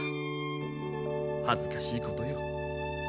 恥ずかしいことよ。